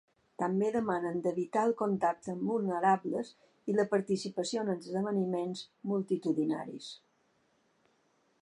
També demanen d’evitar el contacte amb vulnerables i la participació en esdeveniments multitudinaris.